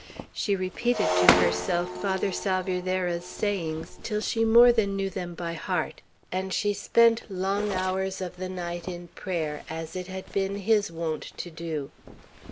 She repeated to herself Father Salvierderra's sayings, till she more than knew them by heart; and she spent long hours of the night in prayer, as it had been his wont to do.